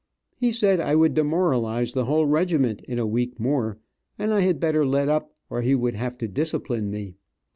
He said I would demoralize the whole regiment in a week more, and I better let up or he would have to discipline me.